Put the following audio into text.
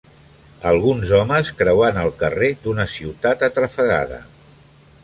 Alguns homes creuant el carrer d"una ciutat atrafegada.